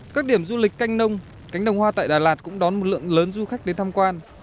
các điểm du lịch canh nông cánh đồng hoa tại đà lạt cũng đón một lượng lớn du khách đến tham quan